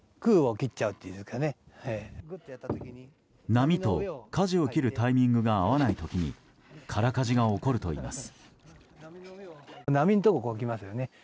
波とかじを切るタイミングが合わない時に空かじが起こるといいます。